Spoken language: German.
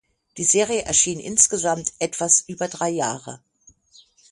Die Serie erschien insgesamt etwas über drei Jahre.